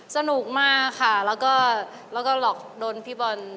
สนุกมากค่ะแล้วก็หลอกโดนพี่บอล